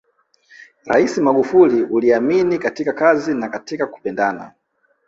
Rais Magufuli uliamini katika kazi na katika kupendana